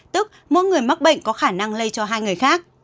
tức mỗi người mắc bệnh có khả năng lây cho hai người khác